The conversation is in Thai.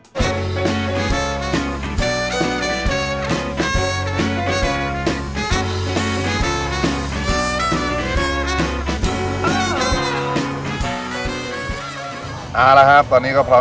หมูเด้งกี่ฝีมือเชฟเข่าห้องคต์ครับผม